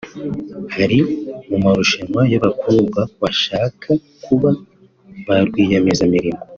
Hari mu marushanwa y’abakobwa bashaka kuba ba rwiyemezamirimo